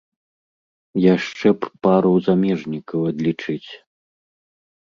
Яшчэ б пару замежнікаў адлічыць.